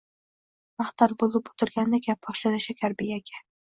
Mahtal bo`lib o`tirgandek gap boshladi Shakarbek aka